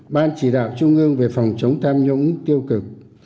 ban chỉ đạo trung ương về phòng chống tham nhũng tiêu cực